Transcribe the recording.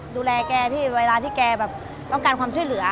ดูแลแกที่เวลาที่แกแบบต้องการความช่วยเหลือ